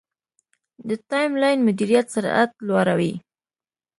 د ټایملاین مدیریت سرعت لوړوي.